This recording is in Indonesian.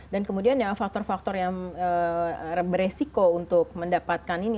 dan kemudian faktor faktor yang beresiko untuk mendapatkan ini